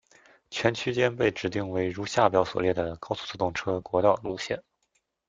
全区间被指定为如下表所列的高速自动车国道路线。